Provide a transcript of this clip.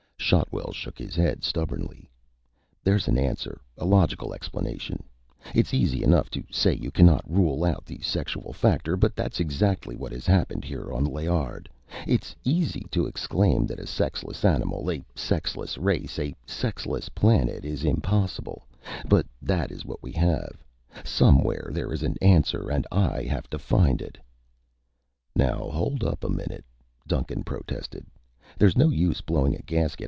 Shotwell shook his head stubbornly. "There's an answer, a logical explanation. It's easy enough to say you cannot rule out the sexual factor, but that's exactly what has happened here on Layard. It's easy to exclaim that a sexless animal, a sexless race, a sexless planet is impossible, but that is what we have. Somewhere there is an answer and I have to find it." "Now hold up a minute," Duncan protested. "There's no use blowing a gasket.